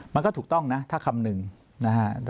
มันก็ถูกต้องนะถ้าคำนึงนะฮะ